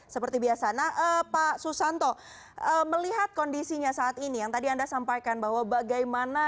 seperti biasa nah pak susanto melihat kondisinya saat ini yang tadi anda sampaikan bahwa bagaimana